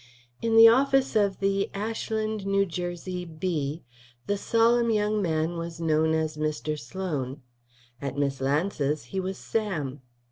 In the office of the Ashland (N.J.) Bee the solemn young man was known as Mr. Sloan. At Miss Lance's he was Sam.